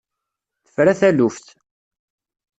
Tefra taluft!